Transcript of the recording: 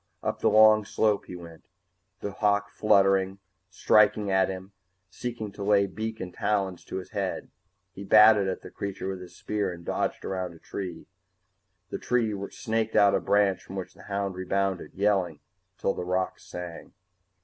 Up the long slope he went. The hawk fluttered, striking at him, seeking to lay beak and talons in his head. He batted at the creature with his spear and dodged around a tree. The tree snaked out a branch from which the hound rebounded, yelling till the rocks rang.